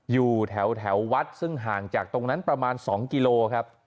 อยู่แถววัดซึ่งห่างจากตรงนั้นประมาณ๒กิโลครับ